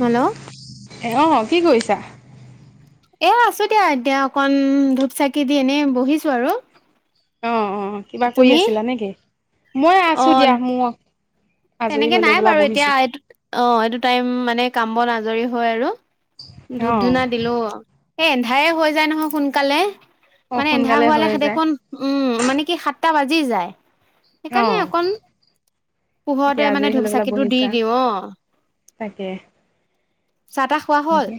Hello এহ [unintelligible] কি কৰিছা? এ আছো দিয়া এতিয়া অকন ধূপ চাকি দি এনেই বহিছো আৰু। অ অ। কিবা কৰি তুমি আছিলা নেকি? মই অ আছো দিয়া মই তেনেকে নাই বাৰু এতিয়া। অ এইটো টাইম মানে কাম বন আজ জৰি হৈ আৰু। ধূপ অ', ধুনা দিলো। এ এন্ধাৰে হৈ যায় নহয় সোনকালে। অ', মানে এন্ধা সোনকালে হৈ হোৱালে সাতে যায়। এখন, উম মানে কি সাত এটা বাজি যায়। সেইকাৰণে অ', অকণ এতিয়া পোহৰতে আজৰি মানে হৈ ধূপ লৈ পেলাই চাকিটো দি বহিছা দিওঁ অ। তাকে। চাহ তাহ খোৱা হ'ল?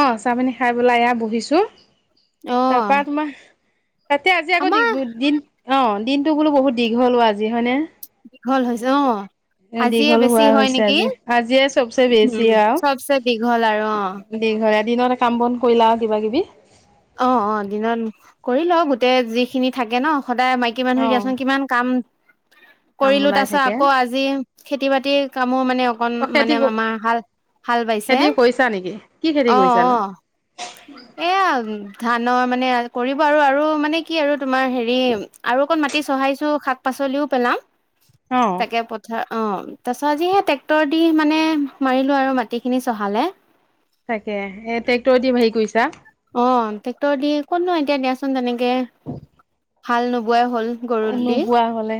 অ, চাহ পানী খাই বেলাই এয়া বহিছো। অ তাৰপা তোমাৰ, তাতে আজি আকৌ আমাৰ দিন, অ দিনটো বোলো বহুত দীঘলো, আজি হয়নে? দীঘল হৈছে। অ আজিয়ে দীঘল বেছি হোৱা হয় হৈছে নেকি আজি। আজিয়ে উম চবচে দীঘল। আৰু অ দিঘলে দিন, কাম বন কৰিলা আৰু কিবা কিবি? অ অ দিনত কৰি লও গোটেই যিখিনি থাকে ন। সদায় মাইকী মানুহ অ', দিয়াচোন কিমান কাম কাম কৰিলো। ওলাই তাৰিছত থাকে। আকৌ আজি খেতি বাতিৰ কামো মানে অকণ অ', মানে খেতি আমাৰ হাল হাল বাইছে, খেতি কৰিছা নেকি? কি খেতি অ অ কৰিছানো? এয়া আৰু। [unintelligible] ধানৰ মানে কৰিব আৰু আৰু মানে কি আৰু তোমাৰ হেৰি আৰু অকণ মাটি চহাইছো, শাক পাচলিও পেলাম। [unintelligible] অ'। তাকে পথা, অ, তাৰ পিছত আজি সেই ট্ৰেক্টৰ দি মানে মাৰিলো আৰু মাটিখিনি চহালে। [unintelligible] তাকে, এ ট্ৰেক্টৰ দি হেৰি কৰিছা? অ। টেক্টৰ দি কতনো এতিয়া দিয়াচোন তেনেকে, গে, হাল নুবোৱাই, হল গৰুদি। নোবোৱা হ'লে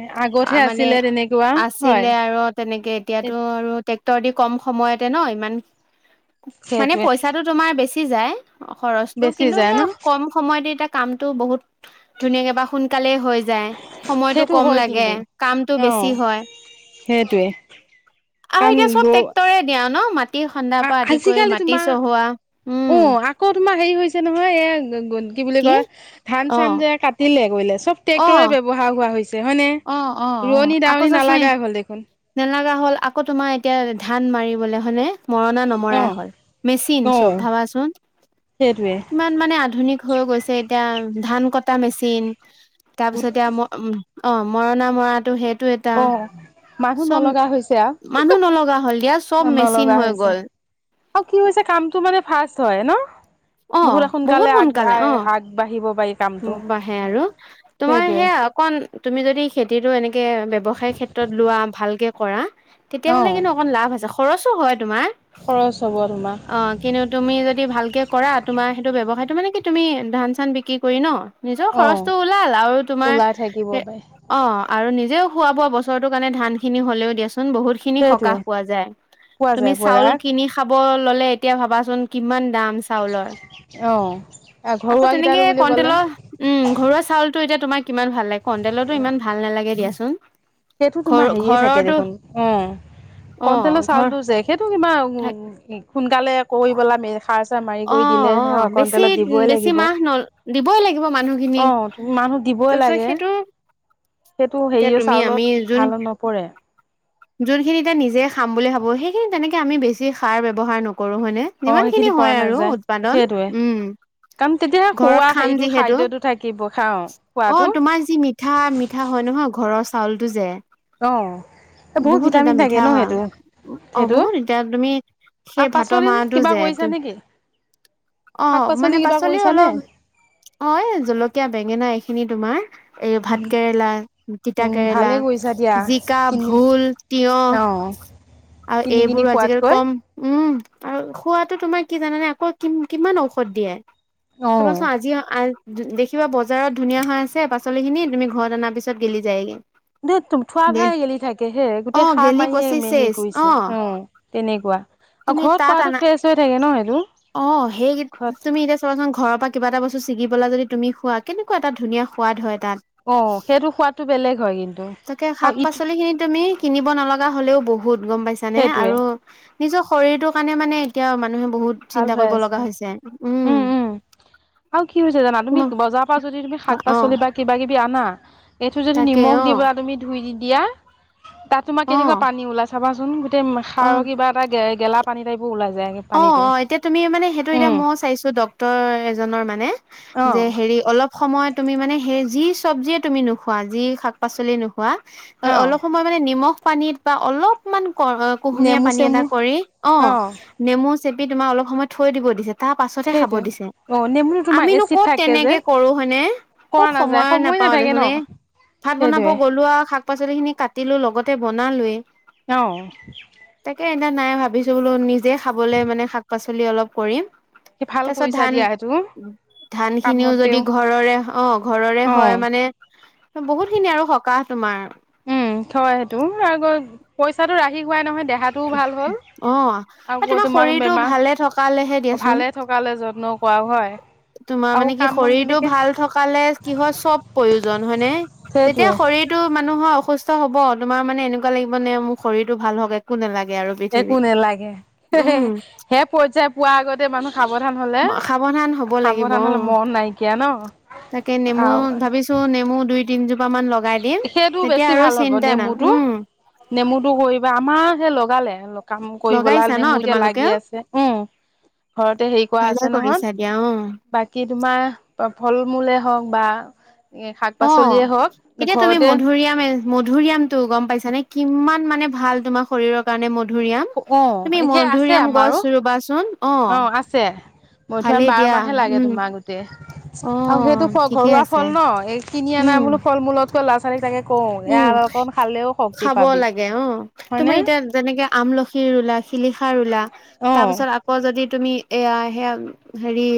আ আগতহে মানে আছিলে তেনেকুৱা হয়। আছিলে আৰু তেনেকে এতিয়াটো আৰু ত্ৰেক্টৰ দি। কম সময়তে ন ইমান মানে সেইটোৱে। পইচাটো তোমাৰ বেছি উঠি যায় খৰচটো বেচি কিন্তু যায় ন? সেইয়া কম সময় দি তাক কামতটো বহুত ধুনীয়াকে বা সোনকালে হৈ যায় সময়তটো সেইটো কম হয় লাগে কিন্তু। কামতটো বেছি অ' হয় সেইটোৱে আৰু কাৰণ এতিয়া চব গৰু টেক্টৰে দিয়া ন মাটি খ্দাৰ পৰা আদি কৰি আজিকালি মাটি তোমাৰ চহোৱা উম [unintelligible] অ' আকৌ তোমাৰ হেৰি হৈছে নহয় এয়া গ কি বুলি কয় ধান অ চান যে কাটিলে বইলে [unintelligible] চব অ ট্ৰেক্টৰে ব্যৱহাৰ হোৱা হৈছে হয়নে অ অ ৰোৱনী দাৱনি নালাগা হল দেখোন নেলগা হ'ল আকৌ তোমাৰ এতিয়া ধান মাৰিবলৈ হয়নে মৰণা নমৰাই অ' হল মেচিন চব অ' ভাবাচোন সেইটোৱে। কিমান মানে আধুনিক হৈ গৈছে এতিয়া ধান কট তা মেচিন তাৰপিছতে অ উম অ মৰণা মৰাটো সেই টো এটা অ মানুহ চব নলগা হৈছে আও মানুহ নলগা হ'ল দিয়া চব মেচিন নলগা হৈ হৈছে গল আৰু কি হৈছে কামটো মানে ফাৰ্ষ্ট হয় নহ অ বহুত সোনকালে অ আগবাঢ়িব পাৰি কামটো বাঢ়ে আৰু তোমাৰ সেইটোৱে সেয়া অকণ তুমি যদি খেতিটো এনেকে ব্যৱসায় ক্ষেত্ৰত লোৱা ভালকে কৰা অ তেতিয়াহ'লে কিন্তু অকন লাভ আছে খৰচো হয় তোমাৰ খৰচ হ'ব তোমাৰ অ কিন্তু তুমি যদি ভালকে তোমাৰ সেইটো ব্যৱসায়টো মানে কি তুমি ধান চান বিক্ৰী কৰি ন নিজৰ অ খৰচটো ওলাল আৰু তোমাৰ ওলাই থাকিব পাৰি অ আৰু নিজেও খোৱা বোৱা বছৰটোৰ কাৰণে ধান খিনি হলেও দিয়াছো বহুত খিনি সেইটোৱে সকাহ পোৱা যায় পোৱা তুমি যায় পোৱা চাউল যায় কিনি খাব ললে এতিয়া ভাবাচোন কিমান দাম চাউল অ আকৌ ঘৰুৱা তেনেকে কেইটাটো বুলি ক'লে কন্ট্ৰল উম! ঘৰুৱা চাউলটো এতিয়া তোমাৰ কিমান ভাল লাগে? কণ্টেতো ইমান ভাল নালাগে দিয়া সোহ সেইটো তোমাৰ হেৰিয়ে থাকে দেখোন অ, অ কন্টলৰ ঘৰ চাউলটো যে সেইটো কিবা ম থাক এক [unintelligible] সোনকালে কৰি পেলাম এখাজ অ- অ- বেছি বেছি লাগিব মাহ ন দিবই লাগিব মানুহ অ- মানুহ দিবই লাগে। সেইটো এতিয়া হেৰি তুমি আমি চাউলত যোন ভাল নপৰে যোনখিনি এতিয়া নিজে খাম বুলি ভাবোঁ সেইখিনি তেনেকে আমি বেছি সাৰ ব্যৱহাৰ নকৰোঁ কৰো হয়নে অ যিমান খিনি সেইখিনি কৰা হয় আৰু নাযায় উৎপাদন সেইটোৱে কাৰণ তেতিয়া ঘৰত খোৱা খাম হেৰিটো যিহেতু খাদ্যটো থাকিব খাওঁ অ খোৱাটো তোমাৰ যি মিঠা মিঠা হয় নহয় ঘৰ চাউলটো যে অ এই বহুত এটা ভিটামিন থাকে মিঠা ন হয় সেইটো, অ সেইটো বহুত এতিয়া তুমি সেই আৰু ভাতৰ পাচলি মাৰটো কিবা যে কৰিছা নেকি? অ শাক মানে কিবা পাচলি কৰিছানে অলপ অ এই জলকীয়া, বেঙেনা এইখিন খিনি তোমাৰ এই ভাত কেৰেলা, তিতা উম কেৰেলা, ভালে কৰিছা দিয়া জিকা, কিনি ভোল, তিয়হ অ আৰু কিনি কিনি এইবোৰো আজিকালি খোৱাতকৈ কম উম! আৰু খোৱাতো তোমাৰ কি জানে আকৌ কি কিমান ঔষধ দিয়ে অ চাবাচোন আজি আ দেখিবা বজাৰত ধুনীয়া হৈ আছে পাচলিখিনি তুমি ঘৰত অনাৰ পিছত গেলি যায়গৈ। থোৱা ভাই গেলি থাকে হে অ গোটেই সাৰ গেলি মাৰিয়ে পচি মে হেৰি চেচ কৰিছে অ তেনেকুৱা আৰু তুমি ঘৰত তাত কাতটো আনা ফ্ৰেচ হৈ থাকে ন সেইটো অ সেই ঘৰত তুমি এতিয়া চবাচোন ঘৰৰ পৰা কিবা এটা বস্তুটো চিঙি পেলাই যদি তুমি খোৱা কেনেকুৱা এটা ধুনীয়া সোৱাদ হয়। তাত অ সেইটো খোৱটো বেলেগ হয় কিন্তু তাকে আৰু ইটো নহ' বহুত বহুত গম পাইছানে সেইটোৱে আৰু নিজৰ শৰীৰটোৰ কাৰণে মানে এতিয়া মানুহে বহুত ভাল চিন্তা হৈ কৰিব লগা আছে হৈছে উম! উম! আৰু কি হৈছে জানা তুমি তোমাক বজাৰৰ পৰা যদি তুমি শাক -পাচলি অ', বা কিবা কিবি আনা উ [inaudible] এইটো যদি তাকে নিমখ অ', দিবা তুমি ধুই দি তিয়াহ তাত তোমাৰ কেনেকুৱা অ', পানী ওলাই চাবাচোন? এয়া সাৰৰ অ', কিবা এটা গেলা পানী টাইপো ওলাই যায়। অ', পানীটো অ', তুমি মানে সেইটো এতিয়া উম ময়ো চাইছো ডক্তৰ এজনৰ মানে মানে অ যে হেৰি অলপ সময় তুমি মানে সেই যি চবজিয়ে তুমি নোখোৱা, যি শাক পাচলিয়ে নোখোৱা অ অলপ সময় মানে নিমখ পানীত বা অলপমান ক কুহুমীয়া নেমু পানী এটা চেমু কৰি, অ মু চেপি তোমাৰ অলপ সময় থৈ দিব দিছে। তাৰ পাছতহে খাব সেইটোৱে দিছে। অ নেমুটো তোমাৰ আমিনো এচিড ক'ত থাকে যে তেনেকে কৰো হয়নে? ক'ত কৰা নাযায় সময় নাপাও নাথাকে ন দেছোন। এই ভাত বনাব সেইটোৱে গলো আৰু শাক শাক-পাচলি খিনি কাটি লৈ লগতে বনালোৱেই। অহ নাই ভাবিছো বোলো নিজে খাবলৈ মানে শাক পাচলি অলপ কৰিম ভাল তাৰ পিছত কৰিছা ধান, দিয়া সেইটো ধান খিনিও যদি কামতেও ঘৰৰে অ ঘৰৰে অ হয় মানে বহুত খিনি আৰু সকাহ তোমাৰ উম থয় সেইটো। আগত পইচাটো ৰাখি শিকোৱাই নহয় দেহাটোও ভাল হ'ল। অ আকৌ তোমাৰ শৰীৰটো বেমাৰ। ভালে থকালেহে দিয়াচোন ভালে থকালে যত্ন কৰাও হয়? তোমাৰ আৰু মানে কি কাম বন শৰীৰটো তেনেকে ভাল থকালে কি হয় চব প্ৰয়োজন হয়নে? যেতিয়া সেইটোৱে শৰীৰটো মানুহৰ অসুস্থ হ'ব তোমাৰ মানে এনেকোৱা লাগিব নে মোৰ শৰীৰটো ভাল হওক একো নালা একো নালাগে। হে হে, সেই পৰ্যায় পোৱা আগত তে মানুহ সাৱধান হলে সাৱধান হ'ব লাগিব, সাৱধান অ। হলে মৰণ নাইকিয়া ন তাকে নেমু আৰু ভাবিছো নেমু দুই তিন যো সেইটো বেছি ভাল হ'ব নাই নেমুটো। উম নেমুটো কৰিবা আমাৰ আজি লগালে অলপ কাম কৰিবলা লগাইছা ন নেমু এতিয়া লাগি তোমালোকেও আছে। উম ঘৰতে হেৰি কৰা ভালে আছে নহয়। কৰিছা দিয়া অ বাকী তোমাৰ ফল-মূলে হওক বা এ অ শাক-পাচলিয়ে হওক এতিয়া তুমি ঘৰতে মধুৰিআমে, মধুৰিআমটো গম পাইছা নে কিম কিমান মানে ভাল তোমাৰ শৰীৰৰ কাৰণে ম মধুৰিআম। অ তুমি সেই আছে মধুৰিআম আমাৰো গছ ৰুবাচোন। অ, মধুৰিআম ভালেই বাৰ দিয়া, মাহে লাগে উম। তোমাৰ গোটেই অ আৰু সেইটো ফ ঠিকে ঘৰুৱা আছে ফল ন, এই কিনি আনা উম বোলো ফল মূলত সৰু লৰা-ছোৱালী থাকে। উম খাব পাবি লাগে। অ, তুমি হয়নে এতিয়া যেনেকে আমলখিৰ ৰোলা শিলিখা ৰোলা। অ তাৰ পিছত আকৌ যদি তুমি এয়া সেয়া হেৰি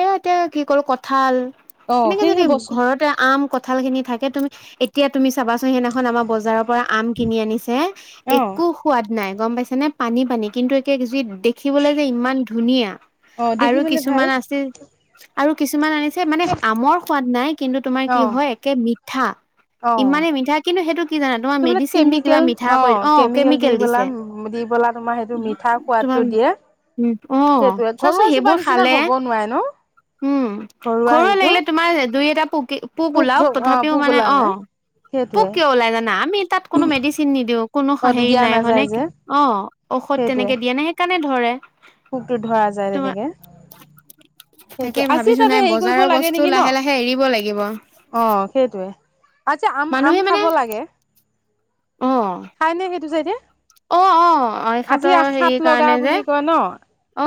এয়া এতিয়া কি কল, কঠাল। অ এনেকে সেই যদি বস্তু ঘৰতে আম ক কঠাল খিনি থাকে তুমি এতিয়া তুমি চোন সেইদিনাখন আমা বজাৰৰ পৰা আম কিনি আনিছে অ একো সোৱাদ নাই। গম পাইছে নে পানী পানী কিন্তু এয়া যি দেখিবলৈ যে ইমান ধুনীয়া অ আৰু দেখিবলে ভাল কিছুমান আছে আৰু কিছুমান আনি আছে মানে আমৰ সোৱাদ নাই। কিন্তু তোমাৰ কি অ হয় একে ঠা অ', ইমানেই মিঠা কিন্তু সেইটো কি জানা তোমাৰ সেইবিলাক মেডিচিন দি কিবা কেমিকেল মিঠা কৰি অ দি কেমিকেল পেলা দিছে দি পেলা তোমাৰ সেইটো মিঠা সোৱাদটো তোমাৰ দিয়ে অ সেইটোৱে ঘৰুৱা চোৱাচোন জোপা সেইবোৰ নিচিনা খালে হ'ব নোৱাৰে ন উ ঘৰুৱা লাগিলে তোমাৰ দুই এটা পোক ওলাওক অ', তথাপিও পোক মানে ওলা অ। নাই পুক সেইটোৱে কিয় ওলাই জানা আমি তাত কোনো মেডিচিন নিদিয়ে। কোনো অ', হেৰি দিয়া নাই হয়নে নাযায় যে অ ঔষধ সেইটোৱে তেনেকে দিয়া নে সেইকাৰণে ধৰে পোকটো ধৰা যায় তোমাৰ তেনেকে তাকে সেইটোৱে আজি ভাবিছো তাতে নাই হেৰি কৰিব বজাৰৰ লাগে বস্তু নেকি ন লাহে লাহে এৰিব লাগিব। আ আম মানুহে মানে খাব লাগে। অ, খাই নাইকে তুজ এতিয়া [unintelligible] অ অ খাতৰ হেৰি কাৰণে যে।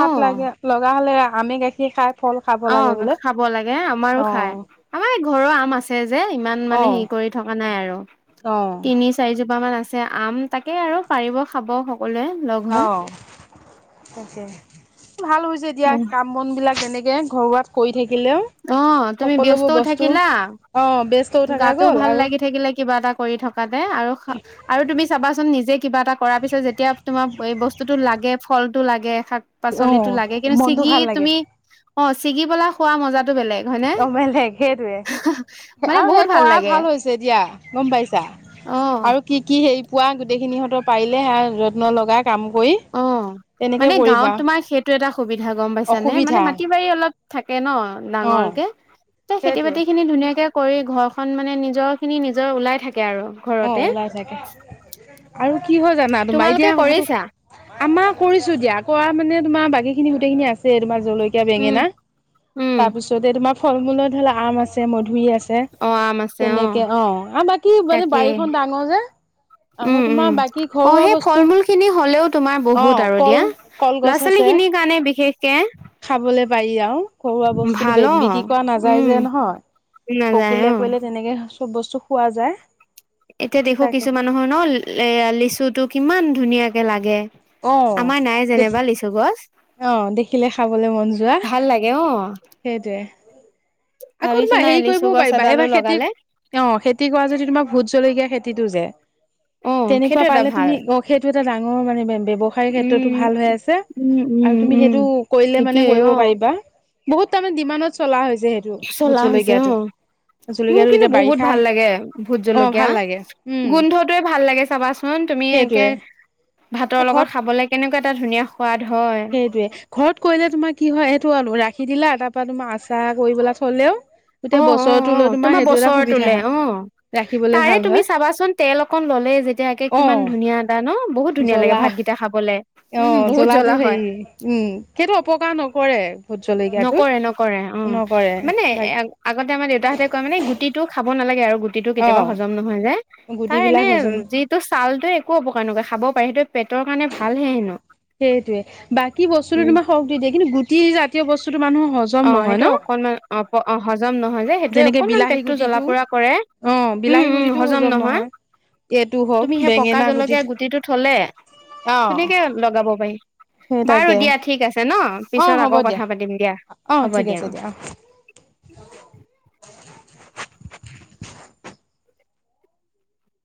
অ, লাগে লগা। আমি গাখীৰ খাই ফল খাব অ লাগে বোলে খাব লাগে আমাৰো খাই অ', আমাৰ এই ঘৰৰ আম আছে যে ইমান মানে হেৰি অ', কৰি থকা নাই আৰু অ'। তিনি চাৰিজোপা মান আছে ছে আম তাকে আৰু পাৰিব খাব সকলোৱে লগ অ হৈ। তাকে ভাল হৈছে এতিয়া অ কাম বন বিলাক এনেকে ঘৰুৱাত কৰি থাকি অ তুমি ব্যস্তও থাকিলা অ', ব্যস্তও থাকা গাটোও গ'ল ভাল আৰু লাগি থাকিলে কিবা এটা কৰি থক বাদে আৰু আৰু তুমি চাবাচোন নিজে কিবা এটা কৰাৰ পিছত যেতিয়া তোমাৰ কৈ বস্তুতো লাগে ফল টো লাগে শাক পাচলিটো অ', লাগে কিন্তু মনটো ছিগি ভাল লাগে তুমি খা অ ছিগিবেলা খোৱা মাজাতো বেলেক অ বেলেগ সেইটোয়ে মানে আৰু বহুত সেই কৰা লাগে ভাল হৈছে দিয়া গম পাইছা অ আৰু কি কি হেৰি পোৱা গোটেইখিনিহঁত পাৰে যত্ন লগাই কাম কৰি অ তেনেকে মানে কৰিবা গাঁৱত তোমাৰ সেইটো এটা সুবিধা গম পাইছানে মানে অসুবিধা মাটি বাৰী অলপ থাকে ন অ'। ডাঙৰকে যে খেতি সেইটোৱে। বাতি খিনি ধুনীয়াকে কৰি ঘৰ খন মানে নিজৰ খিনি নিজৰ ওলাই থাকে কে আৰু অ', ঘৰতে ওলাই থাকে আৰু কি হয় জানা তোমা এতিয়া তোমালোকে কথাটো কৰিছা আমাৰ কৰিছো দিয়া খোৱা মানে তোমাৰ বাকী খিনি গোটেই খিনি আছে তোমাৰ জলকীয়া উম বেঙেনা উম তাৰপিছতে তোমাৰ ফল মূলৰ ধলে আম আছে মধুৰি আছে অ তেনেকে অ আ বাকী মানে এ বাৰীখন ডাঙৰ যে আকৌ উম তোমাৰ উম বাকী অ ঘৰুৱা সেই ফল বস্তু মূল খিনি হলেও তোমাৰ অ বহুত আৰু কল দিয়া ল'ৰা কলগছ ছোৱালী আছে খিনিৰ কাৰণে বিশেষকে তিয়াও ঘৰুৱা বস্তুতো ভাল অ বিক্ৰী কৰা নাযায় উম যে নহয় নাযায় পকিলে অ কৰিলে তেনেকে বস্তু খোৱা যায় এতিয়া দেখো তাকে কিছু মানুহৰ ন এ লিচুটো কিমান ধুনীয়াক লাগে অ আমাৰ নাই দেখি যেনেবা লিচু গছ অ দেখিলে খাবলে মন যোৱা ভাল লাগে অ সেইটোয়ে এহ আকৌ ভাবিছো তোমাৰ নাই হেৰি লিচু কৰিবও গছ পাৰিবা এডালো এইবাৰ খেতি লগালে অ খেতি কৰা যদি তোমাৰ ভোত জলকীয়া খেতি টিটু যে অ তেনেকুৱা সেইটো এটা পালে ভাল তুমি অ সেইটো এটা ডাঙৰ মানে ব্যৱসায় ক্ষেত্ৰতো উম ভাল হৈ আছে উম আৰু উম তুমি উম সেইটো কৰিলে মানে ঠিকেই কৰিব অ পাৰিবা বহুত তাৰমানে ডিমানত চলা হৈছে সেইটো ভোট চলা হৈছে অ জলকীয়াটো মোৰ জলকীয়াটো কিন্তু এতিয়া বহুত বাৰিষা ভাল লাগে ভোত অ জলকীয়া ভাল লাগে উম গোন্ধটোৱে ভাল লাগে চাবাচোন তুমি একে সেইটোৱে ভাতৰ লগত ঘৰত খাবলে কেনেকুৱা এটা ধুনীয়া সোৱাদ হয় সেইটোৱে ঘৰত কৰিলে তোমাৰ কি হয় সেইটো আলো ৰাখি দিলা এটা তা তোমাক আচাৰ কৰিপেলাই থলেও অ গোটেই অ অ বছৰটোলৈ তোমাৰ সেইটো এটা বছৰ সুবিধা তোলে হয় অ ৰাখিবলে তাৰে ভাল তুমি হয় চাবাচোন তেল অকন ললেই যেতিয়াকে কিমান অ ধুনীয়া এটা ন বহুত ধুনীয়া জ্বলা লাগে ভাতকেইটা খাবলে উম বহুত জ টো হেৰি উম সেইটো অপকাৰ নকৰে ভোট জলকীয়াটো নকৰে নকৰে উম নকৰে মানে বাক আগতে আমাৰ দেউতাহঁতে কয় মানে গুটিটো খাব নালাগে আৰু গুটিটো অ কেতিয়াবা হজম নহয় যে তাৰ গুটিবিলাক এনে হজম যিটো ছালটো একো অপকাৰ নকৰে খাব সেইটো পেটৰ কাৰণে ভাল হে হেনো সেইটোয়ে বাকী বস্তুটো উম তোমাৰ সখ দি দিয়ে কিন্তু গ তি জাতীয় বস্তু অ সেইটো অকনমান অ অ হজম নহয় সেইটোয়ে যেনেকে অকনমান বিলাহী পেটটো জ্বলা গুটিটো পুৰা কৰে অ উম বিলাহী উম গুটিটো হজম নহয় এইটো হওক তুমি সেই পকা বেঙেনা জলকীয়া গুটিটো থলে অ ধুনীয়াকে লগাব পাৰি সেই বাৰু তাকে দিয়া ঠিক আছে ন অ পিছত হ'ব আকৌ দিয়া কথা পাতিম দিয়া ঠিক আছে দিয়া অ